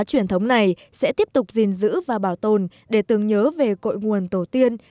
truyền thống này sẽ tiếp tục gìn giữ và bảo tồn để tưởng nhớ về cội nguồn tổ tiên